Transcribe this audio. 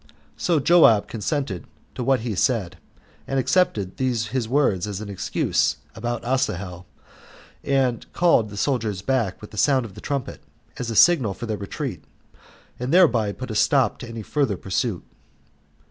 So Joab consented to what he said, and accepted these his words as an excuse [about Asahel], and called the soldiers back with the sound of the trumpet, as a signal for their retreat, and thereby put a stop to any further pursuit.